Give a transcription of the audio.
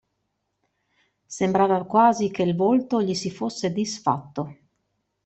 Sembrava quasi che il volto gli si fosse disfatto.